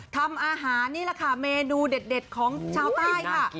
ทำอาหารนี่แหละค่ะเมนูเด็ดของชาวใต้ค่ะ